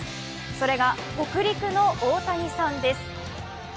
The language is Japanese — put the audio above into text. それが北陸の大谷さんです。